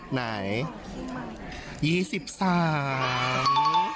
ไหน